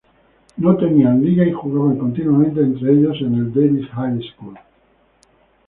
No tenían liga y jugaban continuamente entre ellos en el Davis High School.